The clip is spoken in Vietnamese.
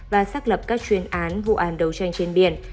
và xác lập các chuyên án vụ án đấu tranh trên biển